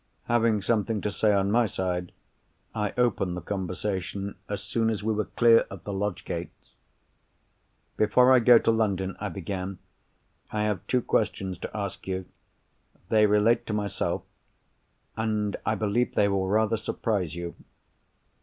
Having something to say on my side, I opened the conversation as soon as we were clear of the lodge gates. "Before I go to London," I began, "I have two questions to ask you. They relate to myself, and I believe they will rather surprise you."